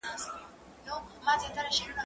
زه درسونه لوستي دي،